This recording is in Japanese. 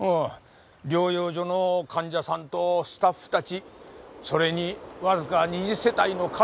療養所の患者さんとスタッフたちそれにわずか２０世帯の家族だけや。